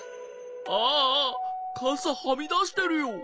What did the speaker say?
ああかさはみだしてるよ。